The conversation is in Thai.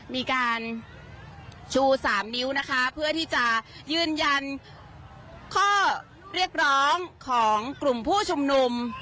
มีการชูสามนิ้วนะคะเพื่อที่จะยืนยันข้อเรียกร้องของกลุ่มผู้ชุมนุม